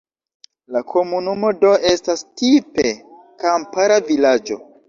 La komunumo do estas tipe kampara vilaĝo.